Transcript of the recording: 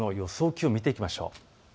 気温を見ていきましょう。